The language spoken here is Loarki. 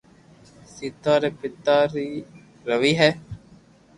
سيتا ري پيتا ري روي ھي